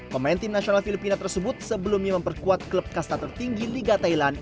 pemain tim nasional filipina tersebut sebelumnya memperkuat klub kasta tertinggi liga thailand